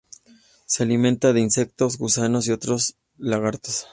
Se alimenta de insectos, gusanos y otros lagartos.